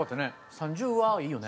「３０羽」いいよね。